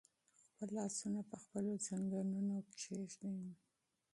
خپل لاسونه په خپلو زنګونونو کېږدئ.